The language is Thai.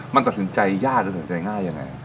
มันตัดสินใจยากจะตัดสินใจง่ายยังไง